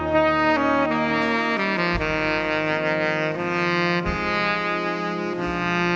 โปรดติดตามต่อไป